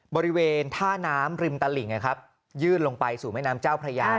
บริเวณท่าน้ำริมตลิ่งยื่นลงไปสู่แม่น้ำเจ้าพระยา